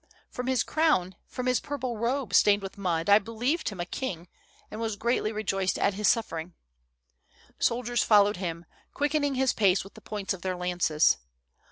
From his crown, from his purple robe stained with mud, I believed him a king and was greatly rejoiced at his suffering. "Soldiers followed him, quickening his pace with the points of their lances.